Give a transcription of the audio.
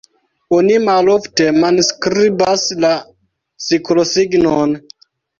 Oni malofte manskribas la siklosignon.